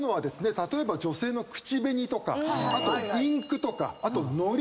例えば女性の口紅とかあとインクとかあとのりとか。